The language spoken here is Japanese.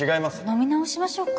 飲み直しましょうか